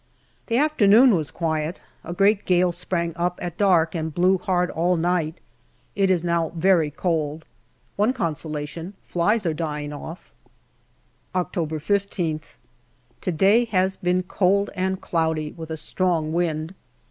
The afternoon was quiet. A great gale sprang up at dark and blew hard all night. It is now very cold. One consolation, flies are dying off. October I5th. To day has been cold and cloudy, with a strong wind.